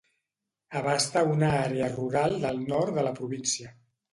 Abasta una àrea rural del nord de la província.